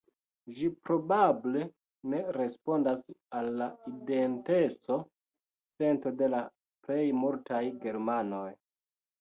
Ĝi probable ne respondas al la identeco-sento de la plej multaj germanoj.